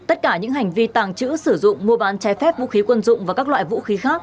tất cả những hành vi tàng trữ sử dụng mua bán trái phép vũ khí quân dụng và các loại vũ khí khác